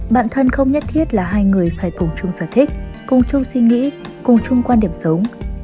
bản thân không nhất thiết là hai người phải cùng chung sở thích cùng chung suy nghĩ cùng chung quan điểm sống